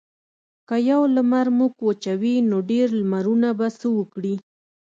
که یو لمر موږ وچوي نو ډیر لمرونه به څه وکړي.